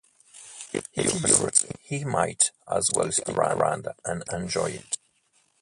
He figures he might as well stick around and enjoy it.